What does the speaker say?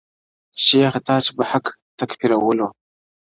شیخه تا چي به په حق تکفیرولو -